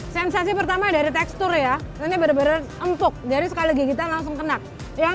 sensasi pertama dari tekstur ya ini bener bener empuk dari sekali gigitan langsung kena yang